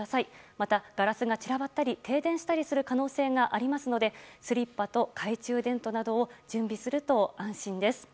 またガラスが散らばったり停電したりする可能性があるのでスリッパと懐中電灯などを準備すると安心です。